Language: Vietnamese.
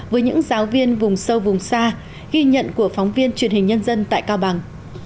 với những giáo viên vùng sâu vùng xa ghi nhận của phóng viên truyền hình nhân dân tại cao bằng